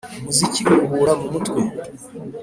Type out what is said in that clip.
Umuziki uruhura mumutwe